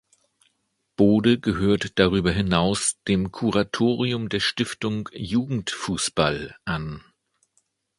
Bode gehört darüber hinaus dem Kuratorium der Stiftung Jugendfußball an.